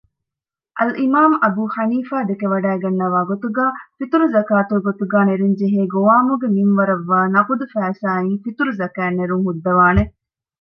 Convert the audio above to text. އަލްއިމާމު އަބޫޙަނީފާ ދެކެވަޑައިގަންނަވާގޮތުގައި ފިޠުރުޒަކާތުގެ ގޮތުގައި ނެރެންޖެހޭ ގޮވާމުގެ މިންވަރަށްވާ ނަޤުދު ފައިސާއިން ފިޠުރުޒަކާތް ނެރުންހުއްދަވާނެ